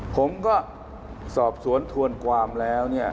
ผมก็สอบสวนทวนความแล้ว